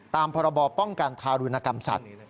ตามพป้ทารุณกรรมสัตว์